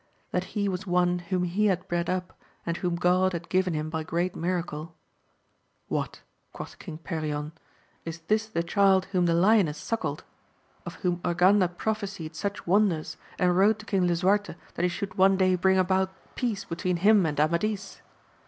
That he was one whom he had bred up, and whom God had given him by great miracle. What ! quoth King Perion, is this the child whom the lioness suckled 1 of whom Urganda prophesied such wonders, and wrote to King Lisuarte that he should one day bring about peace between him and Amadis